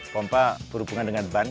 pompa berhubungan dengan ban